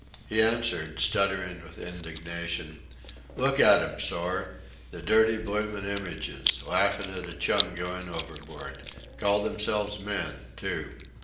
He answered, stuttering with indignation: "Look at 'em, sorr. The bloomin dirty images! laughing at a chum going overboard. Call themselves men, too."